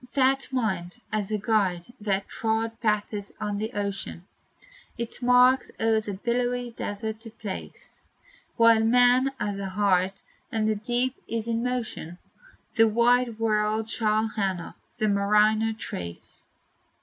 That mind, as a guide that trod paths on the ocean Its marks o'er the billowy desert to place, While man has a heart, and the deep is in motion, The wide world shall honor, the mariner trace.